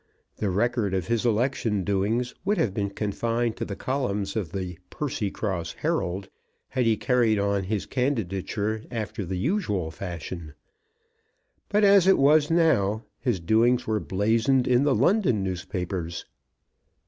The record of his election doings would have been confined to the columns of the "Percycross Herald" had he carried on his candidature after the usual fashion; but, as it was now, his doings were blazoned in the London newspapers.